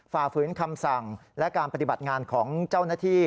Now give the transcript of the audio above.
ฝ่าฝืนคำสั่งและการปฏิบัติงานของเจ้าหน้าที่